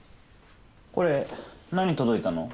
これ何届いたの？